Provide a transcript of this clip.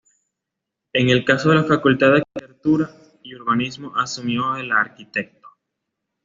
En el caso de la Facultad de Arquitectura y Urbanismo asumió el Arq.